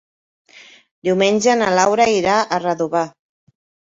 Diumenge na Laura irà a Redovà.